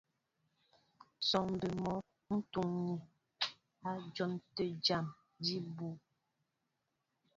Sɔ́ɔŋ mbɛ́ɛ́ mɔ́ ń túúŋí á dyɔn tə̂ jǎn jí bú.